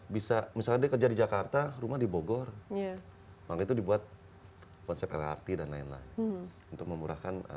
bisa misalnya dia kerja di jakarta rumah di bogor bank itu dibuat konsep lrt dan lain lain untuk memurahkan